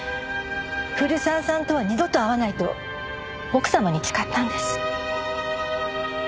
古澤さんとは二度と会わないと奥様に誓ったんです。